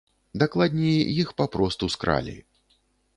Дакладней, іх папросту скралі.